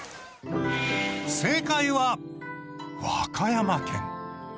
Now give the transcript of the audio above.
正解は和歌山県。